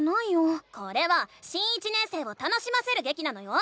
これは新１年生を楽しませるげきなのよ！